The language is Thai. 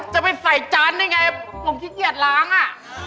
จะไปใส่จานได้ไงผมขี้เกียจล้างอ่ะ